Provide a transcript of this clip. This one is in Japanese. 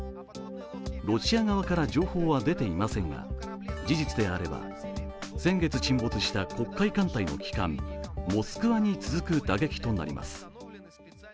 ロシア側から情報は出ていませんが、事実であれば先月沈没した黒海艦隊の旗艦「モスクワ」に続く打撃となります。